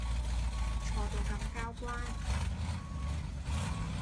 錯到咁交關